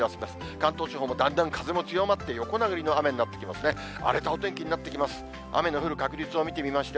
関東地方もだんだん風も強まって、横殴りの雨になってきますね。